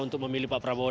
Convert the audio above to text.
untuk memilih pak prabowo